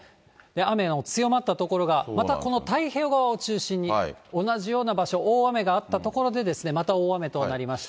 雨の強まった所が、またこの太平洋側を中心に、同じような場所、大雨があった所でですね、また大雨となりました。